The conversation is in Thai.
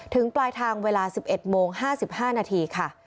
ปลายทางเวลา๑๑โมง๕๕นาทีค่ะ